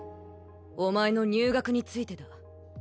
お前の入学についてだ